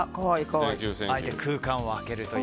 あえて空間を開けるという。